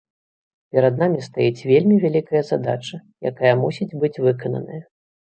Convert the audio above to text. Перад намі стаіць вельмі вялікая задача, якая мусіць быць выкананая.